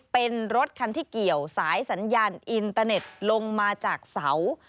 เป็นรถคันที่เกี่ยวสายสัญญาณอินเตอร์เน็ตลงมาจากเสา